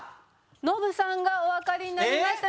ノブさんがおわかりになりました。